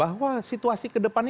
bahwa situasi ke depan